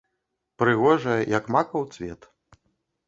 Прыгожая, як макаў цвет.